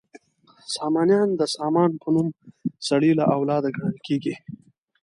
سامانیان د سامان په نوم سړي له اولاده ګڼل کیږي.